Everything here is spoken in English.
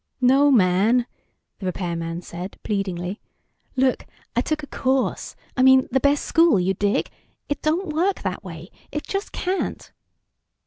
"No, man," the repairman said, pleadingly. "Look, I took a course. I mean, the best school, you dig? It don't work that way. It just can't."